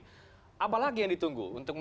jadi apalagi yang ditunggu